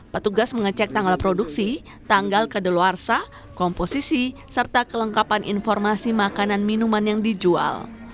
petugas mengecek tanggal produksi tanggal kedeluarsa komposisi serta kelengkapan informasi makanan minuman yang dijual